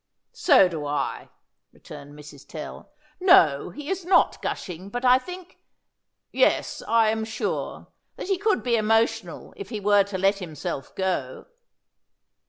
"So do I," returned Mrs. Tell. "No, he is not gushing; but I think yes, I am sure that he could be emotional if he were to let himself go."